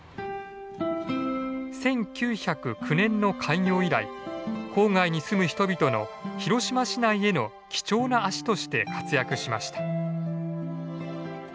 １９０９年の開業以来郊外に住む人々の広島市内への貴重な足として活躍しました。